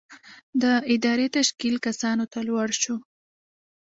د ادارې تشکیل کسانو ته لوړ شو.